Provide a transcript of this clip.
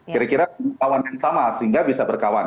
kira kira lawan yang sama sehingga bisa berkawan